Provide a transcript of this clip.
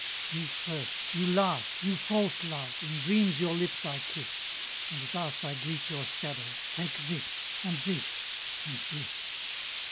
You first, you last, you false love! In dreams your lips I kiss, And thus I greet your Shadow, "Take this, and this, and this!"